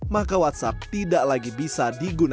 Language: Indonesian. maka whatsapp akan dihapus oleh aplikasi yang berlaku di dunia